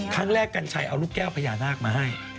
กัญชัยเอาลูกแก้วพญานาคมาให้